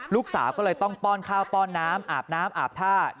ลูกสาวก็เลยต้องป้อนข้าวป้อนน้ำอาบน้ำอาบท่า